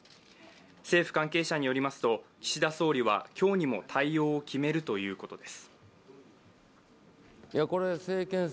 政府関係者によりますと、岸田総理は今日にも対応を決めるということです。